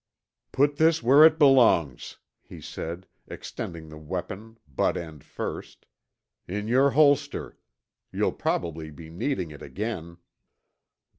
"Put this where it belongs," he said, extending the weapon butt end first, "in your holster. You'll probably be needing it again."